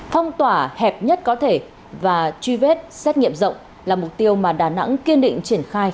phong tỏa hẹp nhất có thể và truy vết xét nghiệm rộng là mục tiêu mà đà nẵng kiên định triển khai